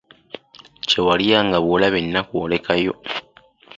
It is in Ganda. Kye walyanga bw'olaba ennaku olekayo .